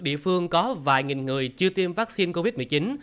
địa phương có vài nghìn người chưa tiêm vaccine covid một mươi chín